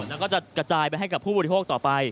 แล้วก็จะกระจายไปให้กับผู้บริโภคต่อไป